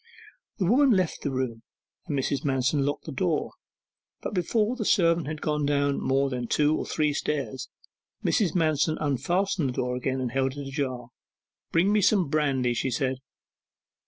The woman left the room, and Mrs. Manston locked the door. Before the servant had gone down more than two or three stairs, Mrs. Manston unfastened the door again, and held it ajar. 'Bring me some brandy,' she said.